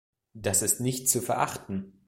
Das ist nicht zu verachten.